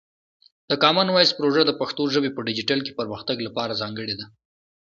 د کامن وایس پروژه د پښتو ژبې په ډیجیټل کې پرمختګ لپاره ځانګړې ده.